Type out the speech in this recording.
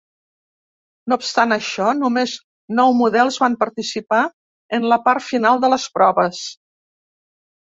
No obstant això, només nou models van participar en la part final de les proves.